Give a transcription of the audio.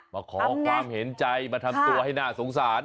มาขอความเห็นใจมาทำตัวให้น่าสงสาร